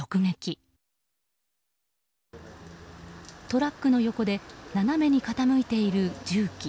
トラックの横で斜めに傾いている重機。